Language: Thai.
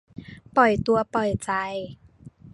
ปล่อยตัวปล่อยใจ